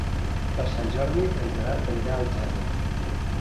Per Sant Jordi en Gerard anirà a Algerri.